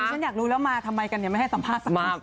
ฉันอยากรู้แล้วมาทำไมกันไม่ให้สัมภาษณ์สักพัก